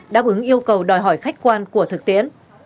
đáp ứng yêu cầu đòi hỏi khách quan của thực tiễn